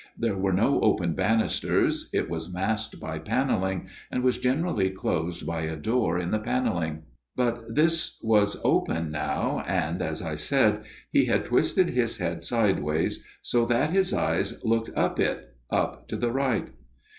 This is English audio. There were no open bannisters ; it was masked by panelling, and was generally closed by a door in the panelling ; but this was open now, and, as I said, he had twisted his head sideways so that his eyes looked up it up to the right.